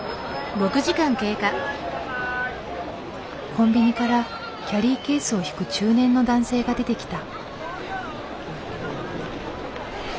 コンビニからキャリーケースを引く中年の男性が出てきた。